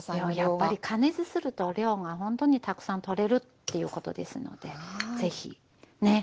やっぱり加熱すると量がほんとにたくさんとれるっていうことですので是非ね